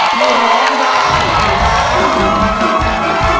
ร้องได้